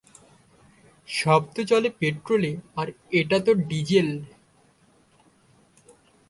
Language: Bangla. সব তো চলে পেট্রোলে, আর এটা তো ডিজেল।